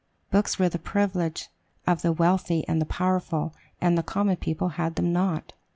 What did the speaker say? Books were the privilege of the wealthy and the powerful; and the common people had them not.